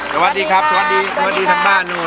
สวัสดีครับสวัสดีครับสวัสดีทั้งบ้านนู้น